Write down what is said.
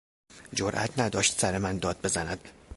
جرات نداشت سر من داد بزند.